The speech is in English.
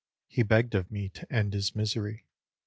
He begged of me to end his misery!